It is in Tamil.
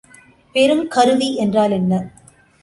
பெறுங்கருவி என்றால் என்ன?